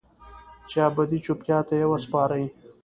چې ابدي چوپتیا ته یې وسپارئ